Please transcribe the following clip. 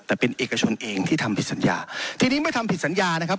แต่เป็นเอกชนเองที่ทำผิดสัญญาทีนี้เมื่อทำผิดสัญญานะครับ